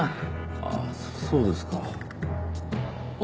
あっそうですか。